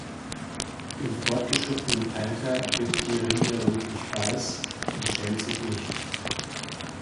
Im fortgeschrittenen Alter wird die Rinde rötlich-weiß und schält sich nicht.